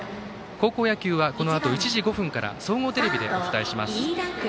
高校野球はこのあと１時５分から総合テレビでお伝えします。